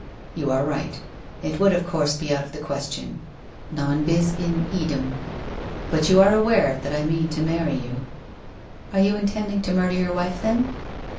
' You are right. It would of course be out of the ques tion. Non bis in idem. But you are aware that I mean to marry you.' ' Are you intending to murder your wife, then?